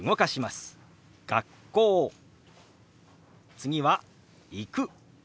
次は「行く」。